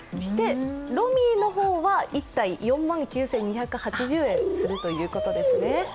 ロミィの方は１体４万９２８０円するということですね。